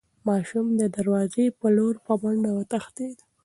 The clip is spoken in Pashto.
ماشوم د دروازې په لور په منډه وتښتېد.